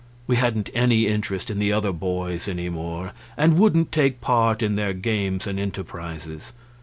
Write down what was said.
We hadn't any interest in the other boys any more, and wouldn't take part in their games and enterprises.